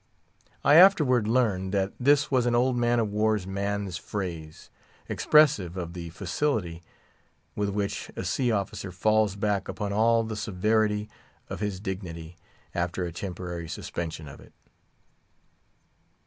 I afterward learned that this was an old man of war's man's phrase, expressive of the facility with which a sea officer falls back upon all the severity of his dignity, after a temporary suspension of it.